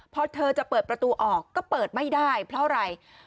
พอเธอจะเปิดประตูออกก็เปิดไม่ได้เพราะอะไร